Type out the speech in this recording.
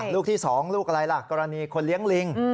ลูกที่๒ลูกอะไรล่ะกรณีคนเลี้ยงลิง